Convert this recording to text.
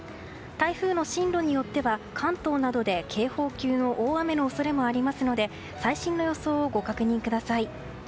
台風の進路によっては関東などで警報級の大雨の恐れもありますので最新の予想をご確認ください。